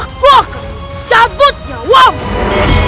aku akan cabut nyawamu